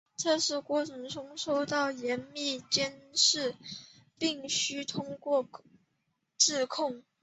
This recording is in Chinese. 测试过程受到严密监视并须通过质控。